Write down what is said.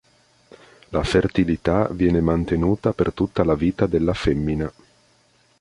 La fertilità viene mantenuta per tutta la vita della femmina.